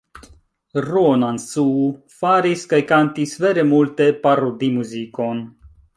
Ruonansuu faris kaj kantis vere multe parodimuzikon.